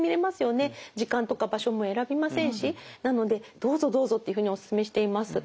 時間とか場所も選びませんしなのでどうぞどうぞっていうふうにおすすめしています。